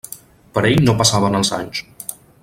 Per ell no passaven els anys.